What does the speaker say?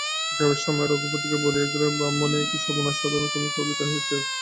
যাইবার সময় রঘুপতিকে বলিয়া গেলেন, ব্রাহ্মণ, এ কী সর্বনাশ-সাধনে তুমি প্রবৃত্ত হইয়াছ!